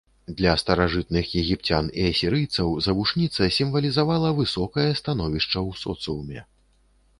Для старажытных егіпцян і асірыйцаў завушніца сімвалізавала высокае становішча ў соцыуме.